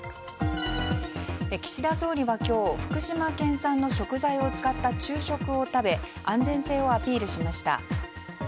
岸田総理は今日、福島県産の食材を使った昼食を食べ安全性をアピールしました。